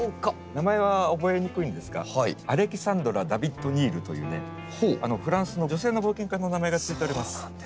名前は覚えにくいんですが「アレキサンドラ・ダビッド・ニール」というねフランスの女性の冒険家の名前が付いております。